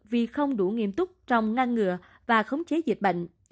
vì không đủ nghiêm túc trong ngăn ngừa và khống chế dịch bệnh